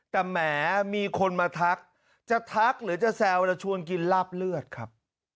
แต่แหมมีคนมาทักจะทักหรือจะแซวจะชวนกินลาบเลือดครับ